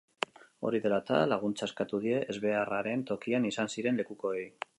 Hori dela eta, laguntza eskatu die ezbeharraren tokian izan ziren lekukoei.